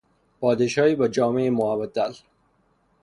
پادشاهی با جامهی مبدل